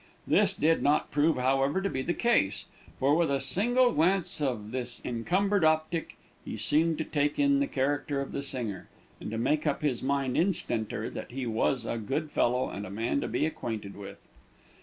This did not prove, however, to be the case, for with a single glance of this encumbered optic, he seemed to take in the character of the singer, and to make up his mind instanter that he was a good fellow and a man to be acquainted with.